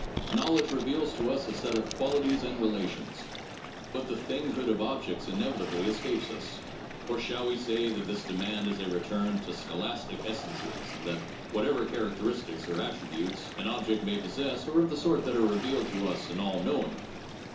Knowledge reveals to us a set of qualities and relations, but the thing hood of objects inevitably escapes us. Or shall we say that this demand is a return to scholastic essences and that whatever characteristics or attributes an object may possess are of the sort that are revealed to us in all knowing?